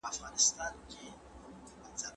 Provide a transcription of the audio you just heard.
ټولنیز چلند د چاپېریال له اغېزه نه خلاصېږي.